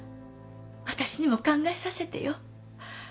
私にも考えさせてよ